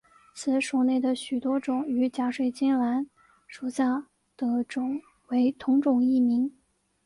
此属内的许多种与假水晶兰属下的种为同种异名。